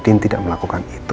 bapak tidak melakukan itu